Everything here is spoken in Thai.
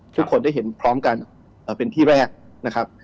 ทุกคนได้เห็นพร้อมกันเป็นที่แรกนะครับ